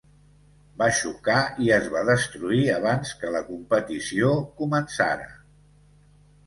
Va xocar i es va destruir abans que la competició començara.